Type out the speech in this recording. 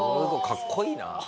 かっこいい。